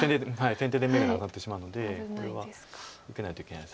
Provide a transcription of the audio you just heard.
先手で眼がなくなってしまうのでこれは受けないといけないです。